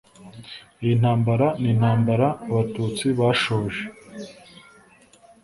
iyi ntambara ni intambara abatutsi bashoje